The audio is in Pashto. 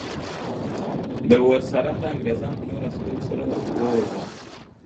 د ورسره انګریزانو او نورو عسکرو سره وواژه.